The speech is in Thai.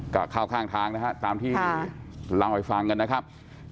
ก็เข้าข้างทางนะครับตามที่เราไปฟังกันนะครับ